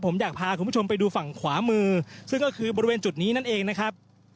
ผมอยากพาคุณผู้ชมไปดูฝั่งขวามือซึ่งก็คือบริเวณจุดนี้นั่นเองนะครับ